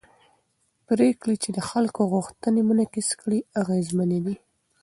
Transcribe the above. پرېکړې چې د خلکو غوښتنې منعکس کړي اغېزمنې دي